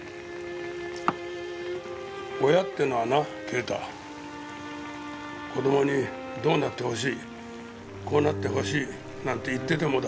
親ってのはな啓太子供にどうなってほしいこうなってほしいなんて言っててもだ